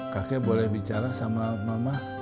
kakek boleh bicara sama mama